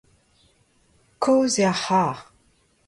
Kozh eo ar c'harr.